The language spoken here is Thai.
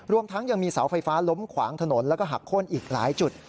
รวมทั้งยังมีเสาไฟฟ้าล้มขวางถนนแล้วก็หักโค้นอีกหลายจุด